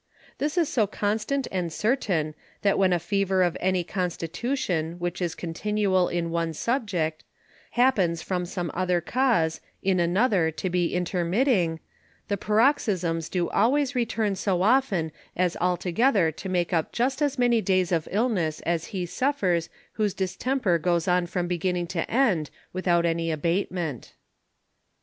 This is so constant and certain, that when a Fever of any Constitution which is continual in one Subject, happens from some other cause, in another to be intermitting, the Paroxysms do always return so often as all together to make up just as many days of Illness as he suffers, whose Distemper goes on from beginning to end, without any abatement.